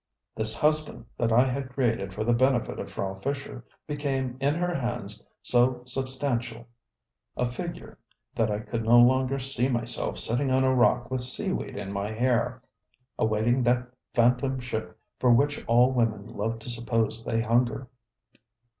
ŌĆØ This husband that I had created for the benefit of Frau Fischer became in her hands so substantial a figure that I could no longer see myself sitting on a rock with seaweed in my hair, awaiting that phantom ship for which all women love to suppose they hunger.